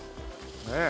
ねえ。